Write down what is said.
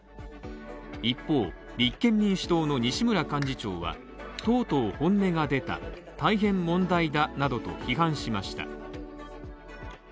一方、立憲民主党の西村幹事長はとうとう本音が出た、大変問題だなどと批判しました。